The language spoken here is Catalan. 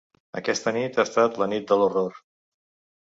Aquesta nit ha estat la nit de l’horror.